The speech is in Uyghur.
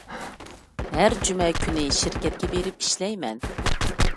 ھەر جۈمە كۈنى شىركەتكە بېرىپ ئىشلەيمەن.